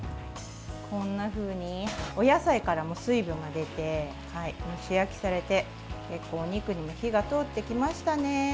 こんなふうにお野菜からも水分が出て蒸し焼きされてお肉に火が通ってきましたね。